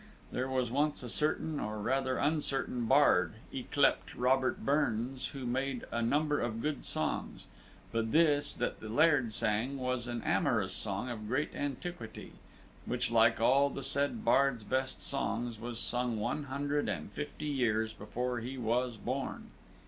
There was once a certain, or rather uncertain, bard, ycleped Robert Burns, who made a number of good songs; but this that the Laird sang was an amorous song of great antiquity, which, like all the said bard's best songs, was sung one hundred and fifty years before he was born.